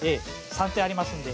３点ありますんで。